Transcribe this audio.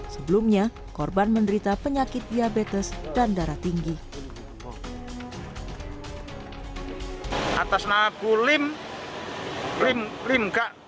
sebelumnya korban menderita penyakit diabetes dan darah tinggi atas nabu lim lim lim gak